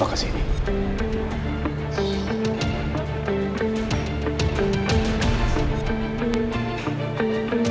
untuk mencari kekuatan